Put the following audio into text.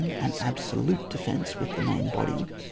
An absolute defence with the main body.